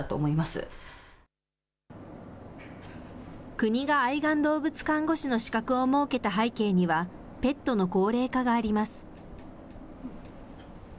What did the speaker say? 国が愛玩動物看護師の資格を設けた背景には、ペットの高齢化があります。